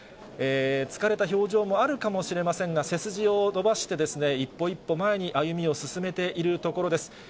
疲れた表情もあるかもしれませんが、背筋を伸ばして、一歩一歩前に歩みを進めているところです。